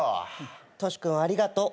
トシ君ありがとう。